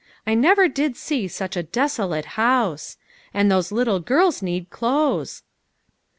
I never did see such a deso late house ! And those little girls need clothes."